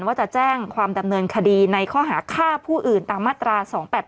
ว่าจะแจ้งความดำเนินคดีในข้อหาฆ่าผู้อื่นตามมาตรา๒๘๘